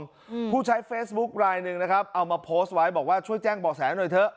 อืมผู้ใช้เฟซบุ๊คลายหนึ่งนะครับเอามาโพสต์ไว้บอกว่าช่วยแจ้งบ่อแสหน่อยเถอะ